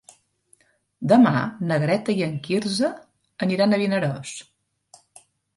Demà na Greta i en Quirze aniran a Vinaròs.